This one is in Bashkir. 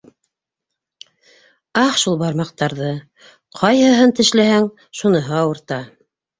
Ах, шул бармаҡтарҙы: ҡайһыһын тешләһәң, шуныһы ауырта.